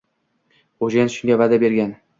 Xo`jayin shunga va`da bergan